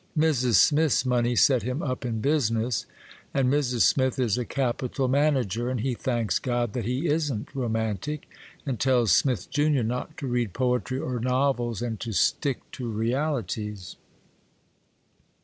Mrs. Smith's money set him up in business, and Mrs. Smith is a capital manager, and he thanks God that he isn't romantic, and tells Smith Junior not to read poetry or novels, and to stick to realities.